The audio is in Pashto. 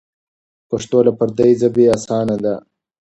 پښتو له پردۍ ژبې اسانه ده.